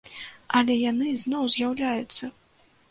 Але яны зноў з'яўляюцца!